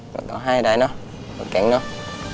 เราต้องหายได้เนาะเราเก่งเนาะ